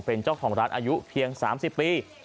เป็นเจ้าของร้านอายุเพียง๓๐ปี